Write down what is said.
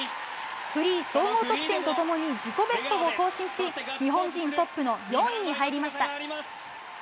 フリー総合得点とともに、自己ベストを更新し、日本人トップの４位に入りました。